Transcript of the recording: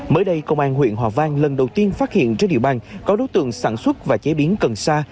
mới đây công an huyện hòa vang lần đầu tiên phát hiện trên địa bàn có đối tượng sản xuất và chế biến cần sa